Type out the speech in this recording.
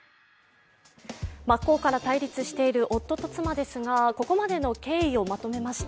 真っ向から対立している夫と妻ですがここまでの経緯をまとめました。